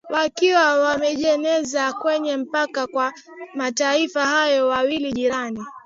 wakiwa wamejazana kwenye mpaka wa mataifa hayo mawili jirani